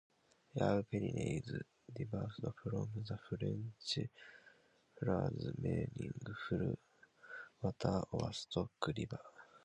Eau Pleine is derived from the French phrase meaning "full water" or "stock river".